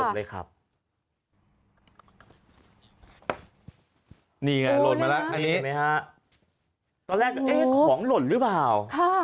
นี่ไงล้นมาแล้วอันนี้เมฆี้ฮะตอนแรกเอ๊ะของหล่นรึป่าว